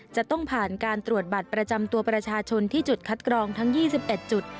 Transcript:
จะต้องผ่านการตรวจบัตรประจำตัวประชาชนที่จุดคัดกรองทั้ง๒๑จุด